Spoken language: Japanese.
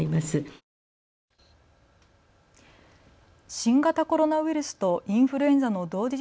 新型コロナウイルスとインフルエンザの同時